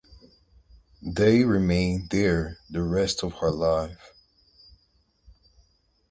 They remained there the rest of her life.